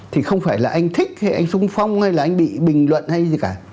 thì không phải là anh thích hay anh sung phong hay là anh bị bình luận hay gì cả